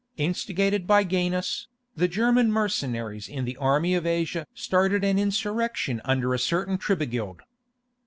Instigated by Gainas, the German mercenaries in the army of Asia started an insurrection under a certain Tribigild.